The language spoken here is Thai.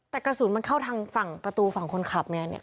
แต่กระสุนมันเข้าทางฝั่งประตูฝั่งคนขับไงเนี่ย